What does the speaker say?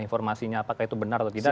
informasinya apakah itu benar atau tidak